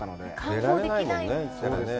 出られないもんね。